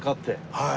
はい。